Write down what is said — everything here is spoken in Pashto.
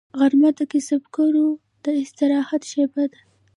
غرمه د کسبګرو د استراحت شیبه ده